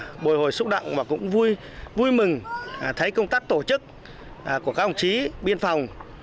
tôi bồi hồi xúc động và cũng vui mừng thấy công tác tổ chức của các ông chí biên phòng